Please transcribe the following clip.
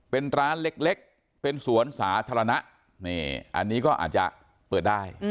เป็นร้านเล็กเป็นสวนสาธารณะนี่อันนี้ก็อาจจะเปิดได้